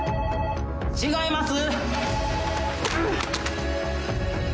違います！